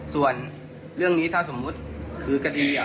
ส่วนเรื่องนี้ถ้าสมมุติคือคดี